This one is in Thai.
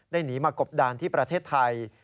หนีมากบดานที่ประเทศไทย